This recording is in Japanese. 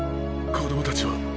子供たちは？